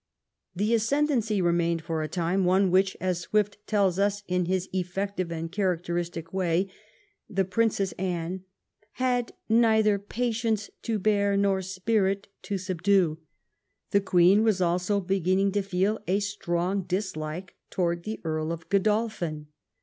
The ascendency remained for a time one which, as Swift tells us in his effective and characteristic way, the Princess Anne ^^ had neither patience to bear, nor spirit to subdue.'' The Queen was also beginning to feel a strong dislike towards the Earl of Gbdolphin.